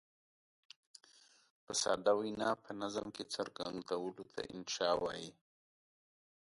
په ساده وینا په نظم کې څرګندولو ته انشأ وايي.